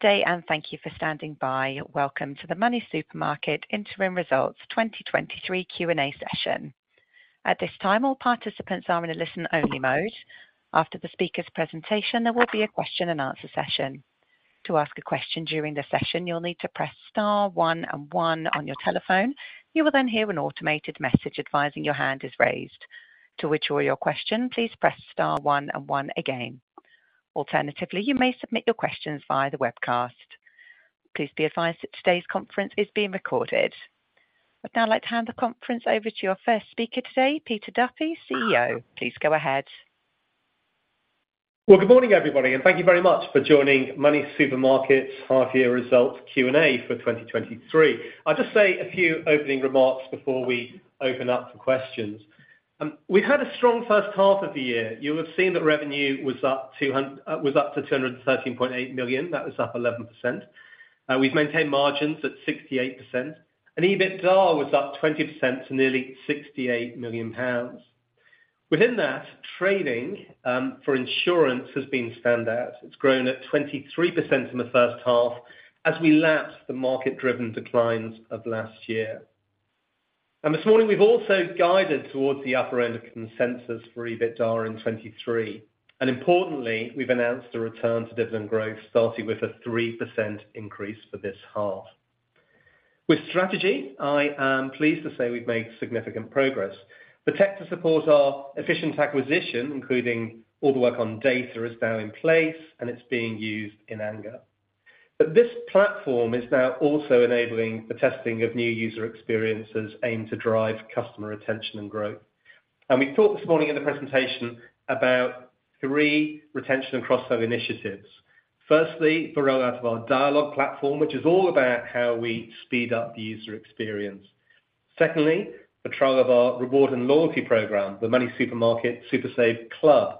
Good day, and thank you for standing by. Welcome to the MoneySuperMarket Interim Results 2023 Q&A session. At this time, all participants are in a listen-only mode. After the speaker's presentation, there will be a question and answer session. To ask a question during the session, you'll need to press star one and one on your telephone. You will then hear an automated message advising your hand is raised. To withdraw your question, please press star one and one again. Alternatively, you may submit your questions via the webcast. Please be advised that today's conference is being recorded. I'd now like to hand the conference over to your first speaker today, Peter Duffy, CEO. Please go ahead. Well, good morning, everybody, and thank you very much for joining MoneySuperMarket's half year results Q&A for 2023. I'll just say a few opening remarks before we open up for questions. We've had a strong first half of the year. You will have seen that revenue was up to 213.8 million. That was up 11%. We've maintained margins at 68%. EBITDA was up 20% to nearly 68 million pounds. Within that, trading for insurance has been standout. It's grown at 23% in the first half as we lapse the market-driven declines of last year. This morning, we've also guided towards the upper end of consensus for EBITDA in 2023. Importantly, we've announced a return to dividend growth, starting with a 3% increase for this half. With strategy, I am pleased to say we've made significant progress. The tech to support our efficient acquisition, including all the work on data, is now in place, and it's being used in anger. This platform is now also enabling the testing of new user experiences aimed to drive customer retention and growth. We talked this morning in the presentation about three retention and crossover initiatives. Firstly, the rollout of our Dialogue platform, which is all about how we speed up the user experience. Secondly, the trial of our reward and loyalty program, the MoneySuperMarket SuperSaveClub.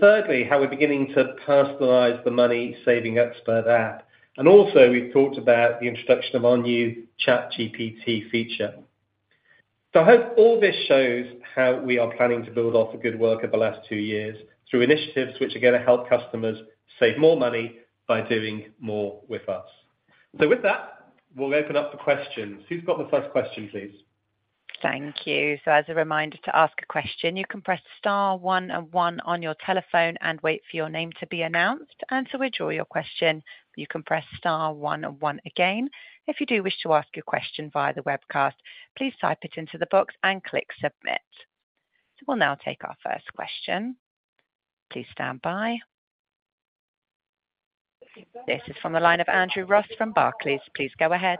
Thirdly, how we're beginning to personalize the MoneySavingExpert app. Also, we've talked about the introduction of our new ChatGPT feature. I hope all this shows how we are planning to build off the good work of the last two years, through initiatives which are going to help customers save more money by doing more with us. With that, we'll open up for questions. Who's got the first question, please? Thank you. As a reminder, to ask a question, you can press star one and one on your telephone and wait for your name to be announced, and to withdraw your question, you can press star one and one again. If you do wish to ask your question via the webcast, please type it into the box and click Submit. We will now take our first question. Please stand by. This is from the line of Andrew Ross from Barclays. Please go ahead.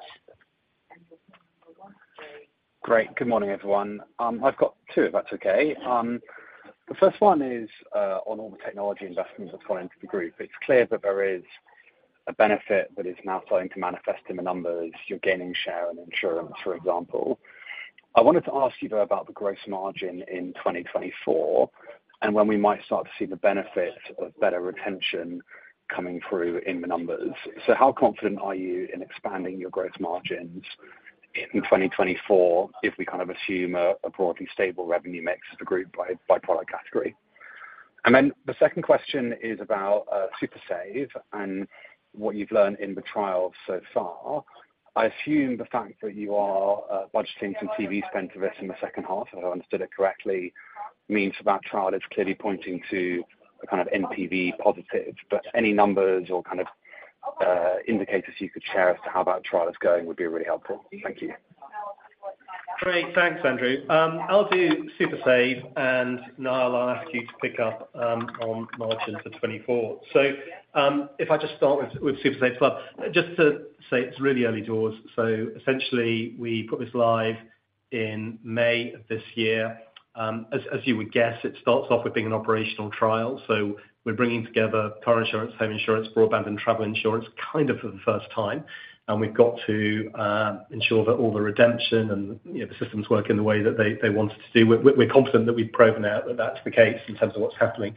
Great. Good morning, everyone. I've got two, if that's okay. The first one is on all the technology investments that's gone into the group. It's clear that there is a benefit that is now starting to manifest in the numbers. You're gaining share in insurance, for example. I wanted to ask you, though, about the gross margin in 2024 and when we might start to see the benefit of better retention coming through in the numbers. How confident are you in expanding your gross margins in 2024, if we kind of assume a broadly stable revenue mix of the group by product category? The second question is about SuperSaveClub and what you've learned in the trial so far. I assume the fact that you are budgeting some TV spend for this in the second half, if I understood it correctly, means that trial is clearly pointing to a kind of NPV positive, but any numbers or kind of indicators you could share as to how that trial is going would be really helpful. Thank you. Great. Thanks, Andrew. I'll do Super Save, Niall, I'll ask you to pick up on margin for 2024. If I just start with SuperSaveClub, just to say it's really early doors. Essentially, we put this live in May of this year. As you would guess, it starts off with being an operational trial, we're bringing together car insurance, home insurance, broadband, and travel insurance, kind of for the first time. We've got to ensure that all the redemption and, you know, the systems work in the way that they wanted to do. We're confident that we've proven out that that's the case in terms of what's happening.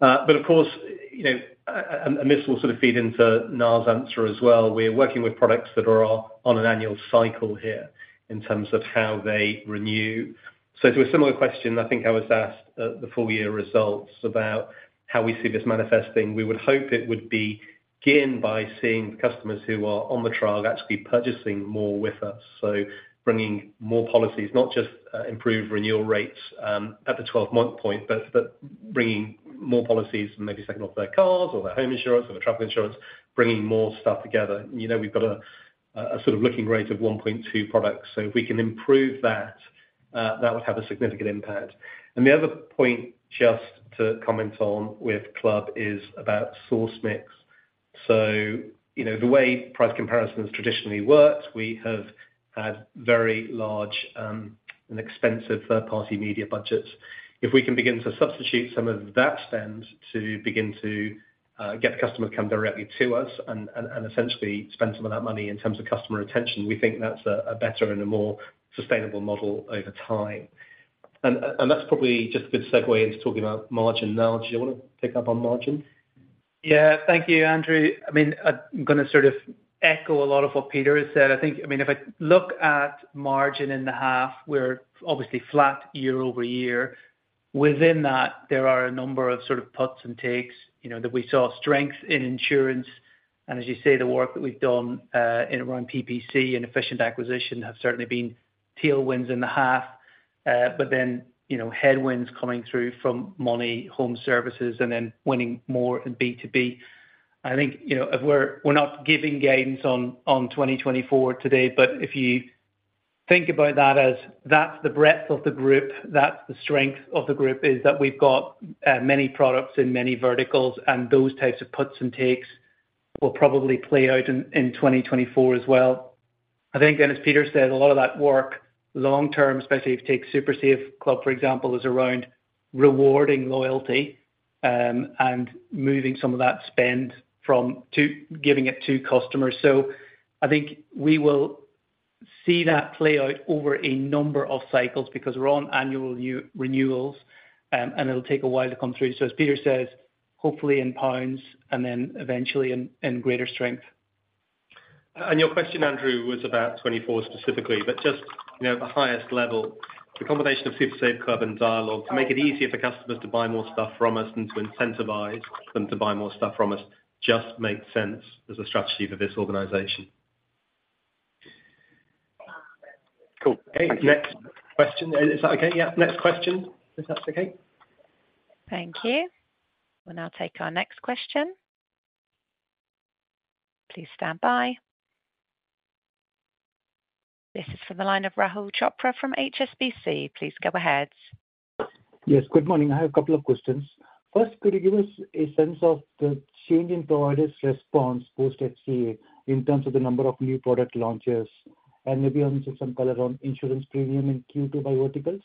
Of course, you know, and this will sort of feed into Niall's answer as well. We're working with products that are on an annual cycle here in terms of how they renew. To a similar question, I think I was asked at the full year results about how we see this manifesting. We would hope it would be again, by seeing the customers who are on the trial actually purchasing more with us. Bringing more policies, not just improved renewal rates at the 12-month point, but bringing more policies, maybe second off their cars or their home insurance or the travel insurance, bringing more stuff together. You know, we've got a sort of looking rate of 1.2 products, so if we can improve that would have a significant impact. The other point just to comment on with Club is about source mix. You know, the way price comparisons traditionally worked, we have had very large and expensive third-party media budgets. If we can begin to substitute some of that spend to begin to get the customer to come directly to us and essentially spend some of that money in terms of customer retention, we think that's a better and a more sustainable model over time. That's probably just a good segue into talking about margin. Niall, do you want to pick up on margin? Yeah. Thank you, Andrew. I mean, I'm gonna sort of echo a lot of what Peter has said. I think, I mean, if I look at margin in the half, we're obviously flat year-over-year. Within that, there are a number of sort of puts and takes, you know, that we saw strength in insurance, and as you say, the work that we've done in around PPC and efficient acquisition have certainly been tailwinds in the half. You know, headwinds coming through from money, home services, winning more in B2B. I think, you know, if we're not giving gains on 2024 today, if you think about that as that's the breadth of the group, that's the strength of the group, is that we've got many products in many verticals, and those types of puts and takes will probably play out in 2024 as well. I think, again, as Peter said, a lot of that work long term, especially if you take SuperSaveClub, for example, is around rewarding loyalty, and moving some of that spend to giving it to customers. I think we will see that play out over a number of cycles because we're on annual new renewals, and it'll take a while to come through. As Peter says, hopefully in pounds and then eventually in greater strength. Your question, Andrew, was about 2024 specifically, but just, you know, at the highest level, the combination of SuperSaveClub and Dialogue to make it easier for customers to buy more stuff from us and to incentivize them to buy more stuff from us, just makes sense as a strategy for this organization. Cool. Okay. Next question. Is that okay? Yeah. Next question, if that's okay. Thank you. We'll now take our next question. Please stand by. This is from the line of Rahul Chopra from HSBC. Please go ahead. Yes, good morning. I have a couple of questions. First, could you give us a sense of the change in providers' response post FCA, in terms of the number of new product launches, and maybe also some color on insurance premium in Q2 by verticals?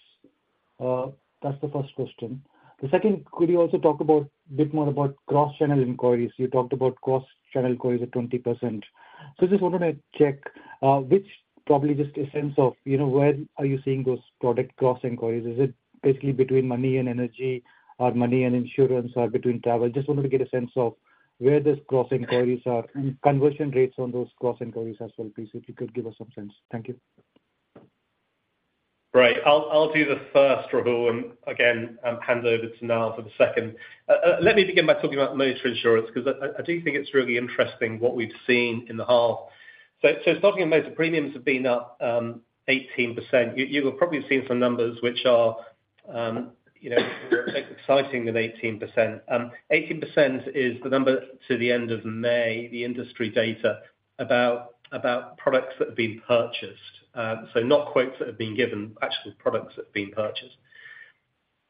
That's the first question. The second, could you also talk a bit more about cross-channel inquiries? You talked about cross-channel inquiries are 20%. I just wanted to check, just a sense of, you know, where are you seeing those product cross inquiries? Is it basically between money and energy, or money and insurance, or between travel? Just wanted to get a sense of where those cross inquiries are, and conversion rates on those cross inquiries as well. Please, if you could give us some sense. Thank you. Right. I'll do the first, Rahul, and again, hand over to Niall for the second. Let me begin by talking about motor insurance, 'cause I do think it's really interesting what we've seen in the half. Starting in motor, premiums have been up, 18%. You, you will probably have seen some numbers which are, you know, exciting with 18%. 18% is the number to the end of May, the industry data about products that have been purchased. Not quotes that have been given, actual products that have been purchased.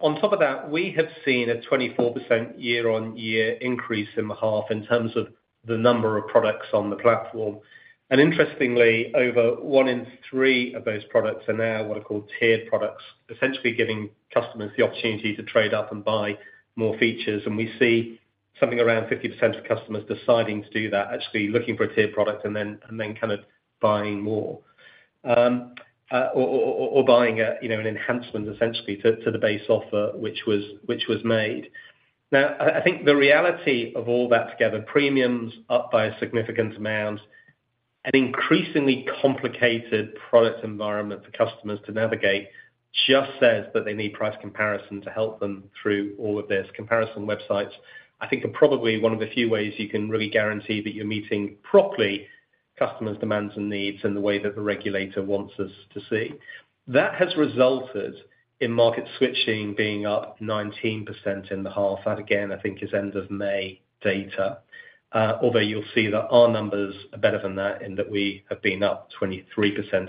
On top of that, we have seen a 24% year-on-year increase in the half in terms of the number of products on the platform. Interestingly, over one in three of those products are now what are called tiered products, essentially giving customers the opportunity to trade up and buy more features. We see something around 50% of customers deciding to do that, actually looking for a tiered product and then kind of buying more, or buying a, you know, an enhancement essentially to the base offer, which was made. I think the reality of all that together, premiums up by a significant amount, an increasingly complicated product environment for customers to navigate, just says that they need price comparison to help them through all of this. Comparison websites, I think are probably one of the few ways you can really guarantee that you're meeting properly customers' demands and needs in the way that the regulator wants us to see. That has resulted in market switching being up 19% in the half. That, again, I think is end of May data, although you'll see that our numbers are better than that, in that we have been up 23%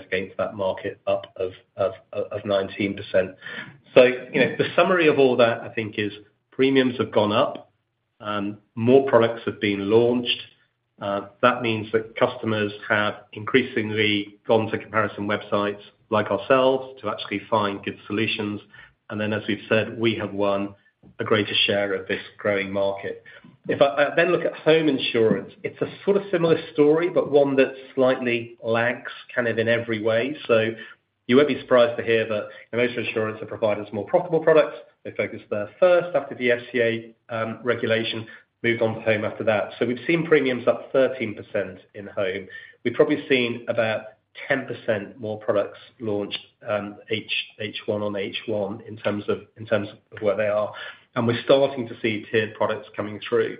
against that market up of 19%. You know, the summary of all that, I think, is premiums have gone up, more products have been launched. That means that customers have increasingly gone to comparison websites like ourselves, to actually find good solutions. As we've said, we have won a greater share of this growing market. If I then look at home insurance, it's a sort of similar story, but one that slightly lags kind of in every way. You won't be surprised to hear that most insurance have provided us more profitable products. They focused there first after the FCA regulation, moved on to home after that. We've seen premiums up 13% in home. We've probably seen about 10% more products launched, H1 on H1, in terms of where they are. We're starting to see tiered products coming through.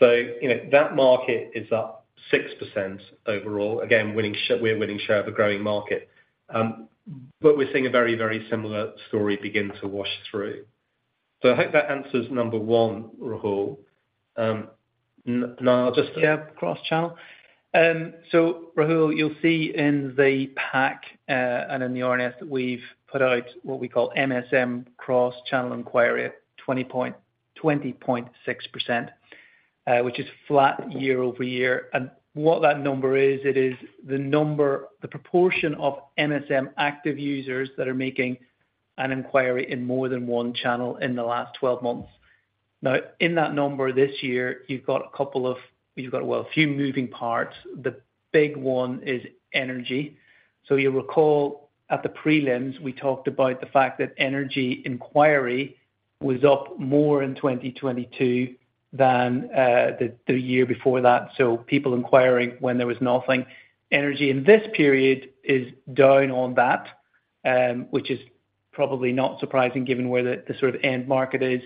You know, that market is up 6% overall. Again, we're winning share of a growing market. We're seeing a very, very similar story begin to wash through. I hope that answers number 1, Rahul. Niall, just- Yeah, cross-channel. Rahul, you'll see in the pack, and in the RNS, that we've put out what we call MSM cross-channel enquiry, 20.6%, which is flat year-over-year. What that number is, it is the number, the proportion of MSM active users that are making an enquiry in more than one channel in the last 12 months. In that number this year, you've got a couple of, well, a few moving parts. The big one is energy. You'll recall at the prelims, we talked about the fact that energy enquiry was up more in 2022 than the year before that, so people enquiring when there was nothing. Energy in this period is down on that, which is probably not surprising given where the sort of end market is,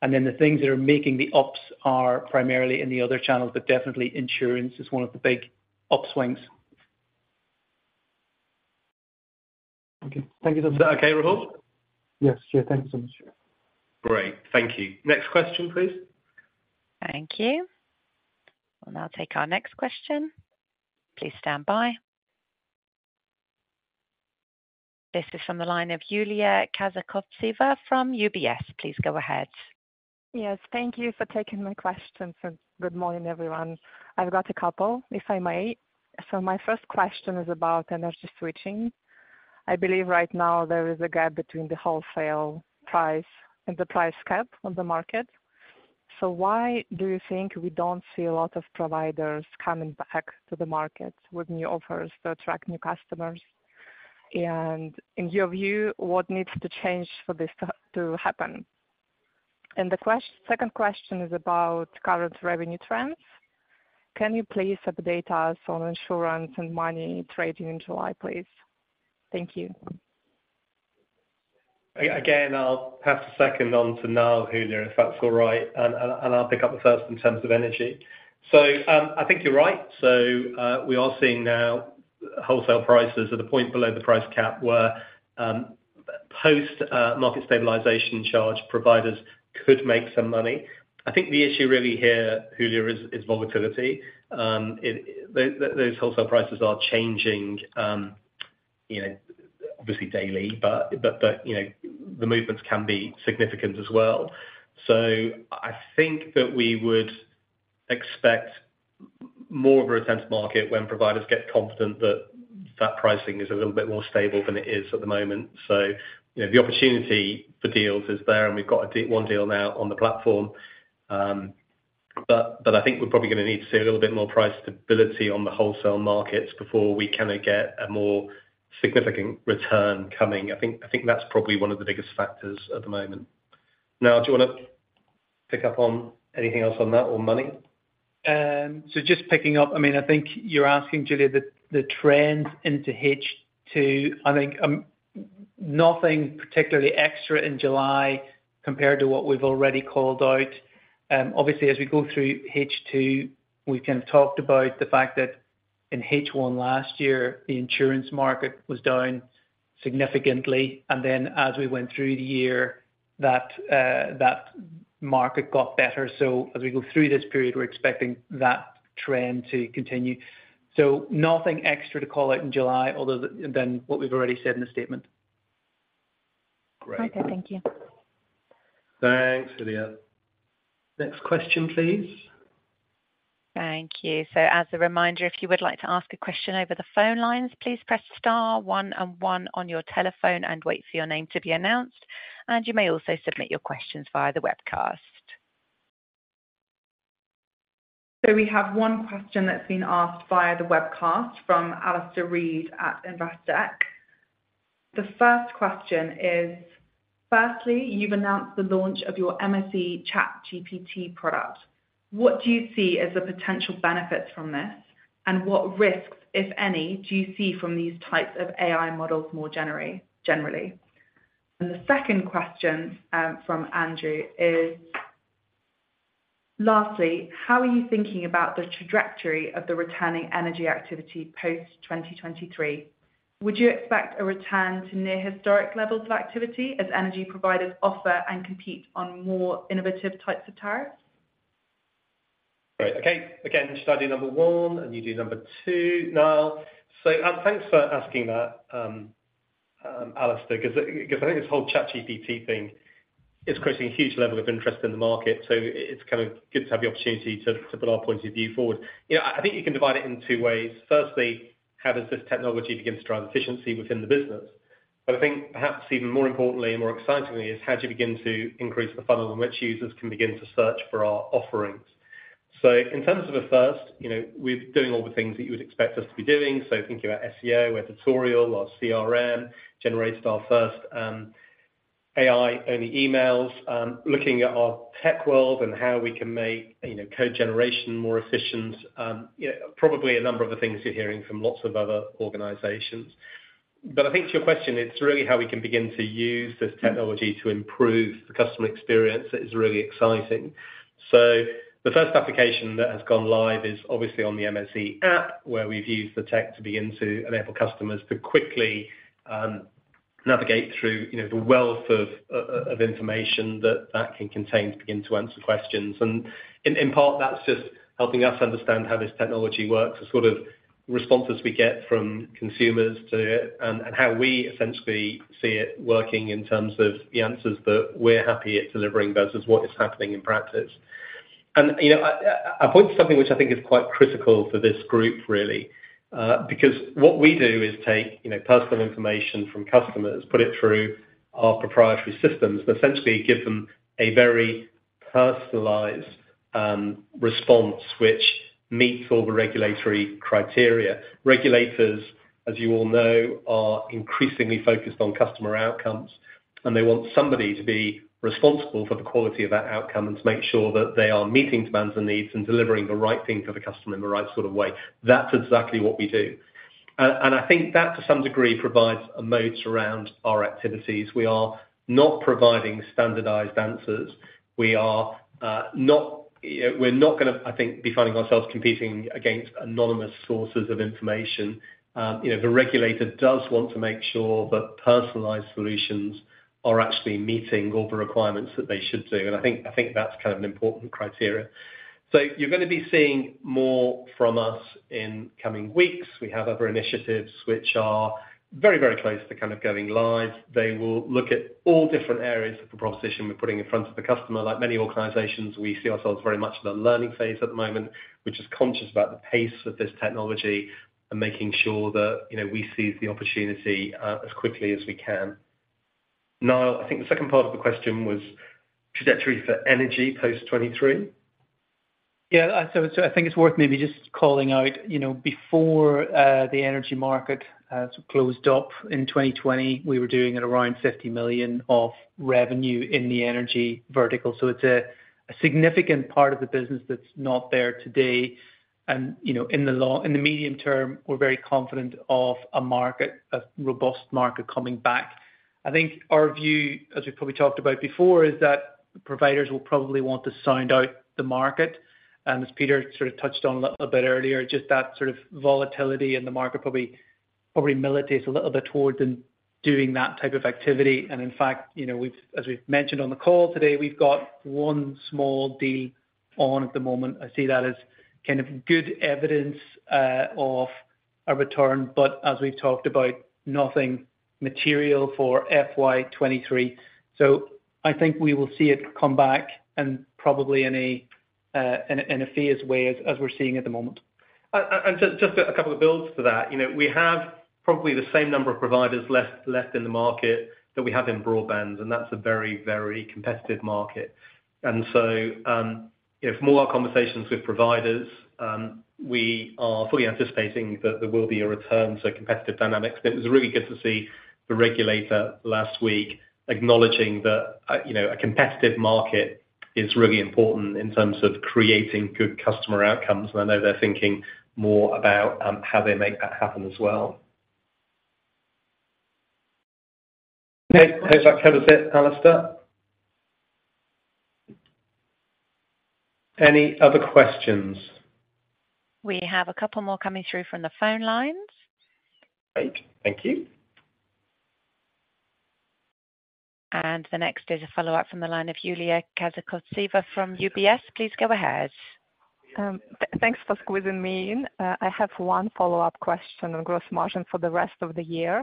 and then the things that are making the ups are primarily in the other channels, but definitely insurance is one of the big upswings. Okay. Thank you so much. Is that okay, Rahul? Yes. Yeah. Thank you so much. Great. Thank you. Next question, please. Thank you. We'll now take our next question. Please stand by. This is from the line of Yulia Kazakovtseva from UBS. Please go ahead. Yes, thank you for taking my question, good morning, everyone. I've got a couple, if I may. My first question is about energy switching. I believe right now there is a gap between the wholesale price and the price cap on the market. Why do you think we don't see a lot of providers coming back to the market with new offers to attract new customers? In your view, what needs to change for this to happen? The second question is about current revenue trends. Can you please update us on insurance and money trading in July, please? Thank you. Again, I'll pass the second on to Niall, Yulia, if that's all right, and I'll pick up the first in terms of energy. I think you're right. We are seeing now wholesale prices at a point below the price cap where, post Market Stabilisation Charge providers could make some money. I think the issue really here, Yulia, is volatility. Those wholesale prices are changing, you know, obviously daily, but, you know, the movements can be significant as well. I think that we would expect more of a tense market when providers get confident that that pricing is a little bit more stable than it is at the moment. You know, the opportunity for deals is there, and we've got one deal now on the platform. I think we're probably gonna need to see a little bit more price stability on the wholesale markets before we kind of get a more significant return coming. I think that's probably one of the biggest factors at the moment. Niall, do you wanna pick up on anything else on that or money? Just picking up, I mean, I think you're asking, Yulia, the trends into H2. I think, nothing particularly extra in July compared to what we've already called out. Obviously, as we go through H2, we've kind of talked about the fact that in H1 last year, the insurance market was down significantly, and then as we went through the year, that market got better. As we go through this period, we're expecting that trend to continue. Nothing extra to call out in July, although than what we've already said in the statement. Great. Okay. Thank you. Thanks, Yulia. Next question, please. Thank you. As a reminder, if you would like to ask a question over the phone lines, please press star one and one on your telephone and wait for your name to be announced. You may also submit your questions via the webcast. We have one question that's been asked via the webcast from Alastair Reid at Investec. The first question is: firstly, you've announced the launch of your MSE ChatGPT product. What do you see as the potential benefits from this, and what risks, if any, do you see from these types of AI models more generally? The second question, from Andrew is: lastly, how are you thinking about the trajectory of the returning energy activity post-2023? Would you expect a return to near historic levels of activity as energy providers offer and compete on more innovative types of tariffs? Great. Okay. Again, should I do number one, and you do number two, Niall? Thanks for asking that, Alastair, because I think this whole ChatGPT thing is creating a huge level of interest in the market, so it's kind of good to have the opportunity to put our point of view forward. You know, I think you can divide it in two ways. Firstly, how does this technology begin to drive efficiency within the business? I think perhaps even more importantly and more excitingly, is how do you begin to increase the funnel in which users can begin to search for our offerings? In terms of a first, you know, we're doing all the things that you would expect us to be doing. Thinking about SEO, editorial, our CRM, generated our first AI-only emails, looking at our tech world and how we can make, you know, code generation more efficient. You know, probably a number of the things you're hearing from lots of other organizations. I think to your question, it's really how we can begin to use this technology to improve the customer experience that is really exciting. The first application that has gone live is obviously on the MSE App, where we've used the tech to begin to enable customers to quickly navigate through, you know, the wealth of information that that can contain to begin to answer questions. In part, that's just helping us understand how this technology works, the sort of responses we get from consumers to it, and how we essentially see it working in terms of the answers that we're happy it's delivering versus what is happening in practice. You know, I point to something which I think is quite critical for this group, really. Because what we do is take, you know, personal information from customers, put it through our proprietary systems, and essentially give them a very personalized response which meets all the regulatory criteria. Regulators, as you all know, are increasingly focused on customer outcomes. They want somebody to be responsible for the quality of that outcome, and to make sure that they are meeting demands and needs, and delivering the right thing for the customer in the right sort of way. That's exactly what we do. I think that, to some degree, provides a moat around our activities. We are not providing standardized answers. We are not, you know, we're not gonna, I think, be finding ourselves competing against anonymous sources of information. You know, the regulator does want to make sure that personalized solutions are actually meeting all the requirements that they should do, and I think that's kind of an important criteria. You're gonna be seeing more from us in coming weeks. We have other initiatives which are very, very close to kind of going live. They will look at all different areas of the proposition we're putting in front of the customer. Like many organizations, we see ourselves very much in a learning phase at the moment, which is conscious about the pace of this technology and making sure that, you know, we seize the opportunity, as quickly as we can. Niall, I think the second part of the question was trajectory for energy post 2023? Yeah, I think it's worth maybe just calling out, you know, before the energy market closed up in 2020, we were doing at around 50 million of revenue in the energy vertical, so it's a significant part of the business that's not there today. you know, in the medium term, we're very confident of a market, a robust market coming back. I think our view, as we've probably talked about before, is that providers will probably want to sound out the market. as Peter sort of touched on a bit earlier, just that sort of volatility in the market probably militates a little bit towards them doing that type of activity. in fact, you know, we've, as we've mentioned on the call today, we've got one small deal on at the moment. I see that as kind of good evidence of a return, but as we've talked about, nothing material for FY 2023. I think we will see it come back and probably in a phased way, as we're seeing at the moment. Just a couple of builds to that. You know, we have probably the same number of providers left in the market that we have in broadband, and that's a very, very competitive market. You know, from all our conversations with providers, we are fully anticipating that there will be a return to competitive dynamics. It was really good to see the regulator last week acknowledging that, you know, a competitive market is really important in terms of creating good customer outcomes. I know they're thinking more about how they make that happen as well. Okay. Does that cover it, Alastair? Any other questions? We have a couple more coming through from the phone lines. Great. Thank you. The next is a follow-up from the line of Yulia Kazakovtseva from UBS. Please go ahead. Thanks for squeezing me in. I have one follow-up question on gross margin for the rest of the year.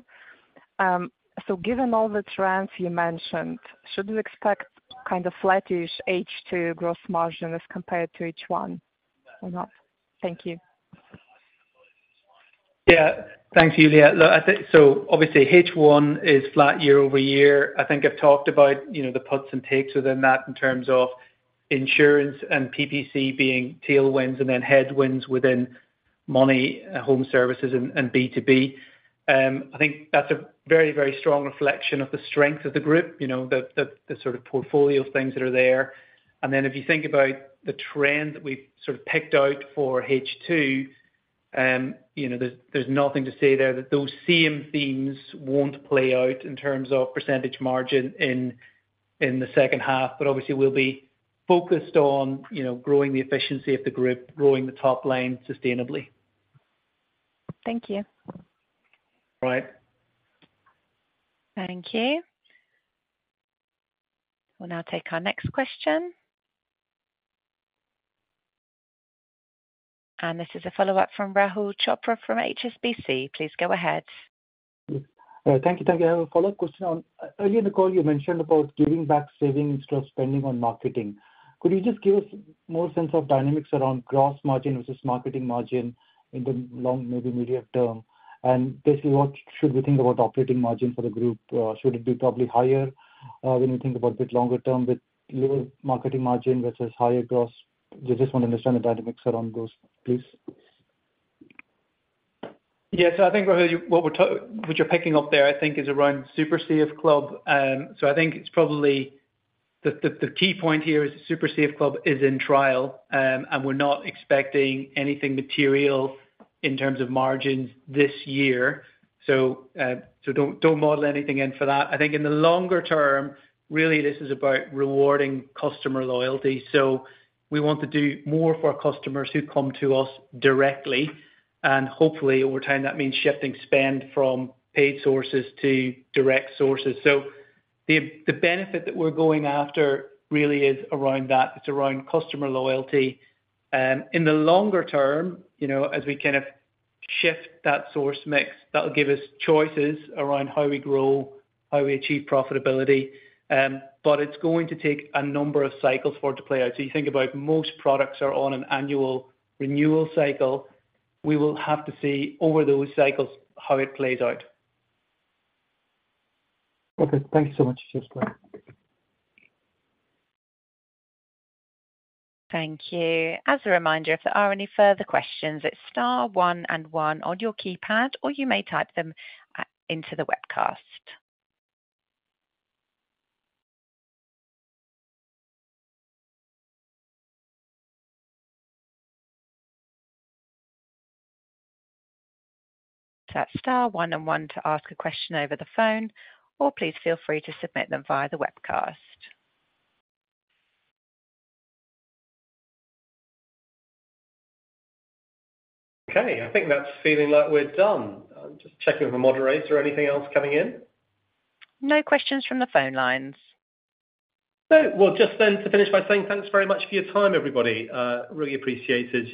Given all the trends you mentioned, should we expect kind of flattish H2 gross margin as compared to H1 or not? Thank you. Yeah. Thanks, Yulia. Look, I think. Obviously H1 is flat year-over-year. I think I've talked about, you know, the puts and takes within that in terms of insurance and PPC being tailwinds, and then headwinds within money, home services and B2B. I think that's a very, very strong reflection of the strength of the group, you know, the sort of portfolio of things that are there. If you think about the trend that we've sort of picked out for H2, you know, there's nothing to say there that those same themes won't play out in terms of percentage margin in the second half, but obviously we'll be focused on, you know, growing the efficiency of the group, growing the top line sustainably. Thank you. All right. Thank you. We'll now take our next question. This is a follow-up from Rahul Chopra from HSBC. Please go ahead. Thank you. Thank you. I have a follow-up question on. Earlier in the call you mentioned about giving back savings instead of spending on marketing. Could you just give us more sense of dynamics around gross margin versus marketing margin in the long, maybe medium term? Basically, what should we think about operating margin for the group? Should it be probably higher when we think about a bit longer term with lower marketing margin versus higher gross? I just want to understand the dynamics around gross, please. Yeah, I think, Rahul, you, what you're picking up there, I think is around SuperSaveClub. I think it's probably the, the key point here is SuperSaveClub is in trial, and we're not expecting anything material in terms of margins this year. Don't model anything in for that. I think in the longer term, really this is about rewarding customer loyalty. We want to do more for our customers who come to us directly, and hopefully over time, that means shifting spend from paid sources to direct sources. The, the benefit that we're going after really is around that. It's around customer loyalty. In the longer term, you know, as we kind of shift that source mix, that'll give us choices around how we grow, how we achieve profitability, but it's going to take a number of cycles for it to play out. You think about most products are on an annual renewal cycle, we will have to see over those cycles how it plays out. Okay, thanks so much. Cheers. Thank you. As a reminder, if there are any further questions, it's star one and one on your keypad, or you may type them into the webcast. That's star one and one to ask a question over the phone, or please feel free to submit them via the webcast. I think that's feeling like we're done. I'm just checking with the moderator, anything else coming in? No questions from the phone lines. Just then to finish by saying thanks very much for your time, everybody. Really appreciated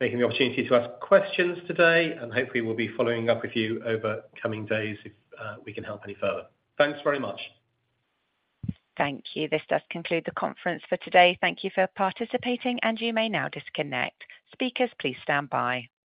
you taking the opportunity to ask questions today, and hopefully we'll be following up with you over coming days if, we can help any further. Thanks very much. Thank you. This does conclude the conference for today. Thank you for participating. You may now disconnect. Speakers, please stand by.